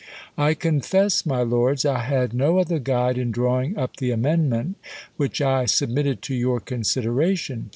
I confess, my lords, I had no other guide in drawing up the amendment, which I submitted to your consid eration.